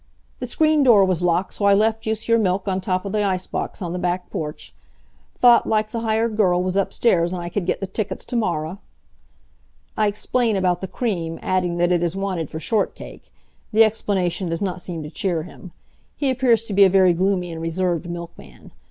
"The screen door was locked so I left youse yer milk on top of the ice box on the back porch. Thought like the hired girl was upstairs an' I could git the tickets to morra." I explain about the cream, adding that it is wanted for short cake. The explanation does not seem to cheer him. He appears to be a very gloomy and reserved milkman.